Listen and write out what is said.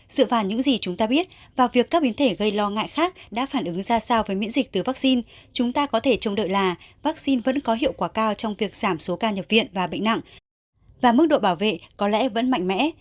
sự phạt những gì chúng ta biết và việc các biến thể gây lo ngại khác đã phản ứng ra sao với miễn dịch từ vaccine chúng ta có thể trông đợi là vaccine vẫn có hiệu quả cao trong việc giảm số ca nhập viện và bệnh nặng và mức độ bảo vệ có lẽ vẫn mạnh mẽ